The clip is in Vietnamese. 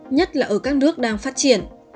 nhất là ở các nước đang phát triển